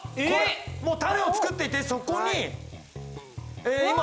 もうタネを作っていてそこに今。